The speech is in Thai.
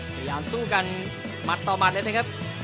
พยายามสู้กันหมัดต่อหมัดเลยนะครับ